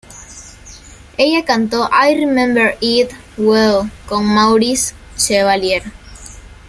Ella cantó "I Remember it Well" con Maurice Chevalier.